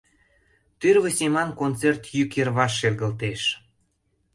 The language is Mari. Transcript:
Тӱрлӧ семан концерт йӱк йырваш шергылтеш.